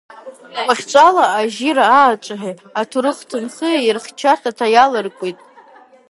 Уахьчӏвала ажьира аъачӏвагӏи атурых тынхи йырхчартата йалыркӏвитӏ.